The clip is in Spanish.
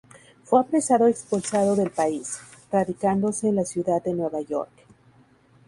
Fue apresado y expulsado del país, radicándose en la ciudad de Nueva York.